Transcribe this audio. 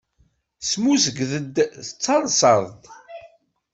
Smuzget d talseḍ-d.